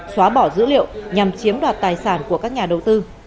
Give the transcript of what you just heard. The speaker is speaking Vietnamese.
xóa bỏ dữ liệu nhằm chiếm đoạt tài sản của các nhà đầu tư